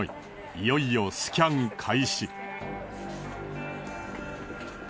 いよいよスキャン開始。